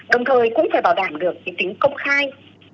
đồng thời cũng phải bảo đảm được tính công khai